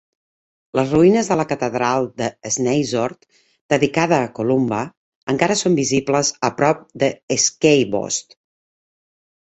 Les ruïnes de la Catedral de Snizort, dedicada a Columba, encara són visibles a prop de Skeabost.